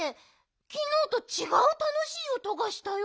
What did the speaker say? きのうとちがうたのしいおとがしたよ。